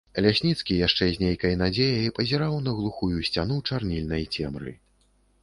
Лясніцкі яшчэ з нейкай надзеяй пазіраў на глухую сцяну чарнільнай цемры.